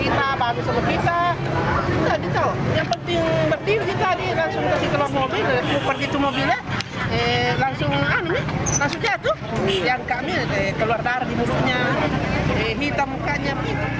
langsung jatuh yang kami keluar dari musuhnya hitam mukanya